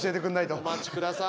お待ちください。